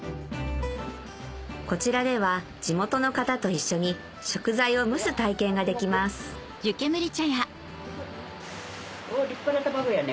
こちらでは地元の方と一緒に食材を蒸す体験ができます立派な卵やね。